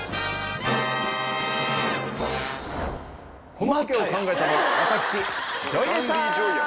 このボケを考えたのは私ＪＯＹでした。